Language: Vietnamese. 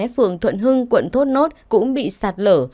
phường thuận hưng quận thốt nốt cũng bị sạt lở